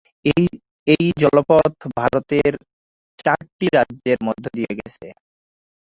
এই জলপথ ভারতের চারটি রাজ্যের মধ্যদিয়ে গেছে।